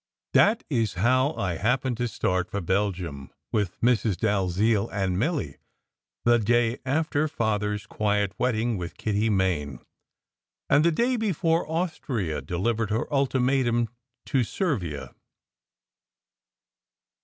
That is how I happened to start for Belgium with Mrs. Dalziel and Milly, the day after Father s quiet wedding with Kitty Main, and the day before Austria delivered her ultimatum to Servia.